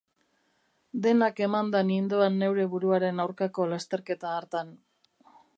Denak emanda nindoan neure buruaren aurkako lasterketa hartan.